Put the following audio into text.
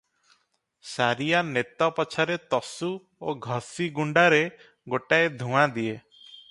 ସାରିଆ ନେତ ପଛରେ ତସୁ ଓ ଘଷି ଗୁଣ୍ତାରେ ଗୋଟାଏ ଧୂଆଁ ଦିଏ ।